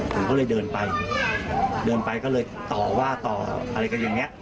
ผมก็เลยเดินไปเดินไปก็เลยต่อว่าต่ออะไรกันอย่างนี้